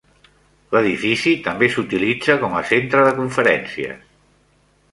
L'edifici també s'utilitza com a centre de conferències.